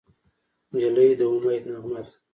نجلۍ د امید نغمه ده.